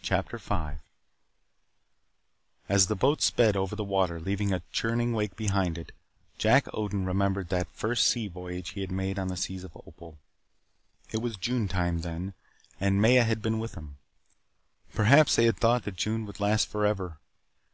CHAPTER 5 As the boat sped over the water, leaving a churning wake behind it, Jack Odin remembered that first sea voyage he had made on the seas of Opal. It was June time then, and Maya had been with him. Perhaps they had thought that June would last forever.